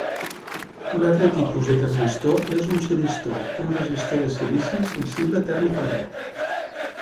Un altre tipus de termistor és un silistor, un resistor de silici sensible tèrmicament.